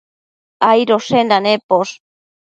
Aidoshenda neposh